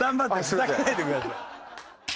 ふざけないでください。